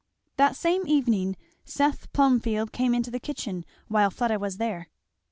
That same evening Seth Plumfield came into the kitchen while Fleda was there.